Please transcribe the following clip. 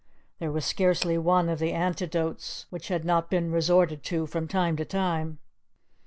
There was scarcely one of the antidotes which had not been resorted to from time to time.